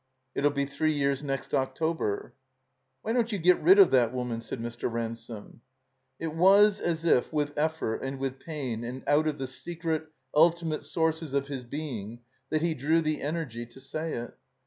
It '11 be three years next October." Why don't you get rid of that woman?" said Mr. Ransome. It was as if with eflfort and with pain and out of the secret, ultimate sources of his being that he drew the energy to say it.